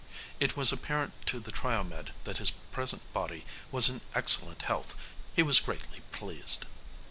It was apparent to the Triomed that his present body was in excellent health. He was greatly pleased.